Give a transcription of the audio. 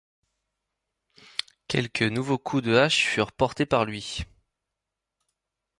Quelques nouveaux coups de hache furent portés par lui.